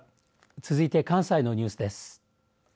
続いて、関西のニュースです。